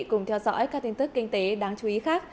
cùng theo dõi các tin tức kinh tế đáng chú ý khác